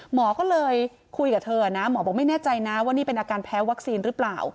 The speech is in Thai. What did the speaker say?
หมอก็เลยคุยกับเธอนะหมอบอกไม่แน่ใจนะว่านี่เป็นอาการแพ้วัคซีนหรือเปล่า